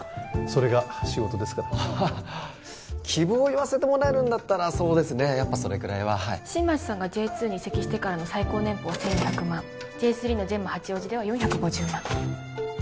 それが仕事ですから希望を言わせてもらえるんだったらそうですねやっぱそれくらいは新町さんがＪ２に移籍してからの最高年俸は１２００万Ｊ３のジェンマ八王子では４５０万